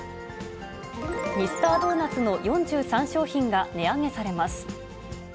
ミスタードーナツの４３商品が値上げされます。